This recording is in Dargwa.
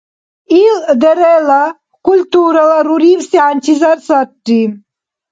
Ил ДР-ла культурала рурибси хӀянчизар сарри.